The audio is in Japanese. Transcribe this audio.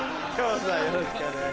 よろしくお願いします。